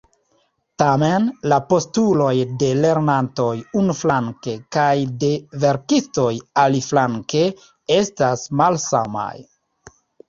Tamen, la postuloj de lernantoj, unuflanke, kaj de verkistoj, aliflanke, estas malsamaj.